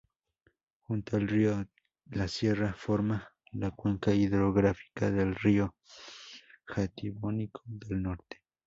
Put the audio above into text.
Junto al río La Sierra forma la cuenca hidrográfica del río Jatibonico del Norte.